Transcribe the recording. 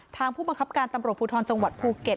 ผู้บังคับการตำรวจภูทรจังหวัดภูเก็ต